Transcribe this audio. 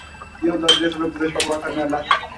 يوه، دوو، درو، څلورو، پنځو، شپږو، اوو، اتو، نهو، لسو